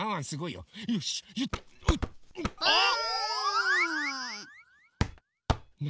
あっ！